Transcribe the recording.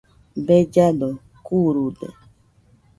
Bellado kurude